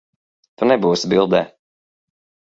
Tu nebūsi bildē.